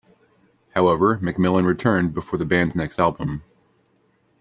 However, McMillan returned before the band's next album.